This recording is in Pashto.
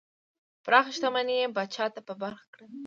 پراخه شتمنۍ پاچا ته په برخه کړه.